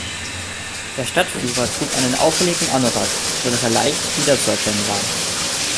Der Stadtführer trug einen auffälligen Anorak, sodass er leicht wiederzuerkennen war.